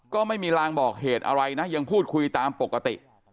ก็ไม่มีรางบอกเหตุอะไรนะยังพูดคุยตามปกติ